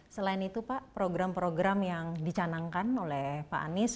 selain itu pak program program yang dicanangkan oleh pak anies